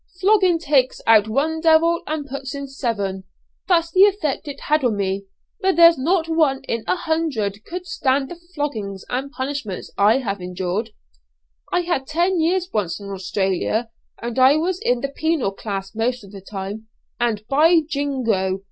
"Flogging takes out one devil and puts in seven. That's the effect it had on me. But there's not one in a hundred could stand the floggings and punishments I have endured. I had ten years once in Australia, and I was in the penal class most of the time, and, by jingo!